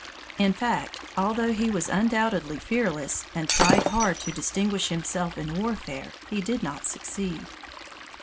In fact, although he was undoubtedly fearless and tried hard to distinguish himself in warfare, he did not succeed.